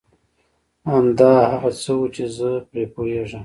همدا هغه څه و چي زه پرې پوهېږم.